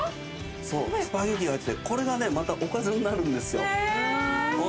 そうスパゲッティが入っててこれがまたおかずになるんですよ